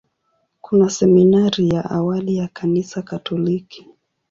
Kuna seminari ya awali ya Kanisa Katoliki.